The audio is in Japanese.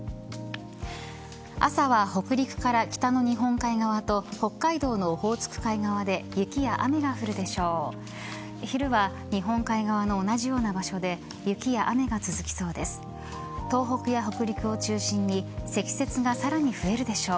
朝は北陸から北の日本海側と北海道のオホーツク海側で雪や雨が降るでしょう。